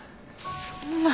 そんな。